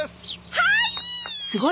はい！